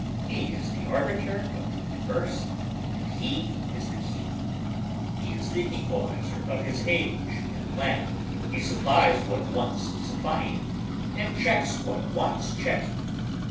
He is the arbiter of the diverse and he is the key. He is the equalizer of his age and land ... he supplies what wants supplying and checks what wants checking.